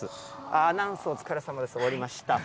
アナウンスお疲れさまです、終わりました。